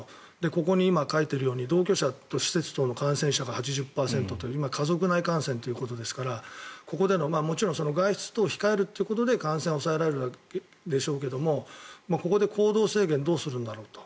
ここに今、書いているように同居と施設等の感染者が８０％という今、家族内感染ということですからここでの、もちろん外出などを控えるということで感染は抑えられるでしょうがここで行動制限どうするんだろうと。